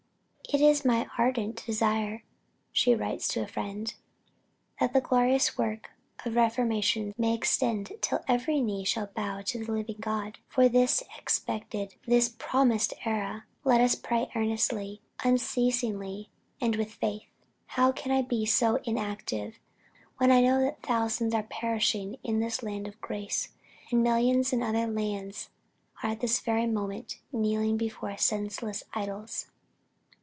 "It is my ardent desire," she writes to a friend, "that the glorious work of reformation may extend till every knee shall bow to the living God. For this expected, this promised era, let us pray earnestly, unceasingly, and with faith. How can I be so inactive, when I know that thousands are perishing in this land of grace; and millions in other lands are at this very moment kneeling before senseless idols!"